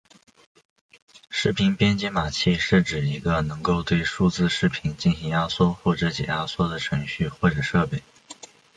视频编解码器是指一个能够对数字视频进行压缩或者解压缩的程序或者设备。